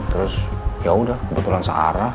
terus yaudah kebetulan saya kembali ke markandaha